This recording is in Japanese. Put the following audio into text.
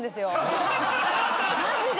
マジで。